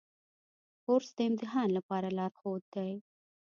کورس د امتحان لپاره لارښود دی.